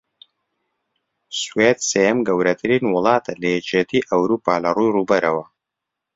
سوێد سێیەم گەورەترین وڵاتە لە یەکێتی ئەوڕوپا لەڕووی ڕووبەرەوە